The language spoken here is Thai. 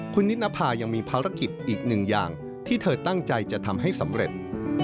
คุณนิดนภายังมีภารกิจอีกหนึ่งอย่างที่เธอตั้งใจจะทำให้สำเร็จ